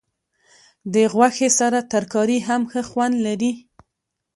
د غوښې سره ترکاري هم ښه خوند لري.